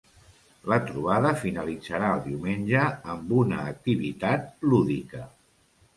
La trobada finalitzarà el diumenge amb una activitat lúdica.